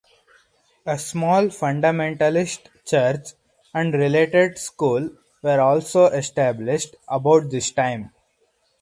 A small fundamentalist church and related school were also established about this time.